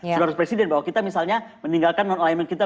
sudah harus presiden bahwa kita misalnya meninggalkan non alignment kita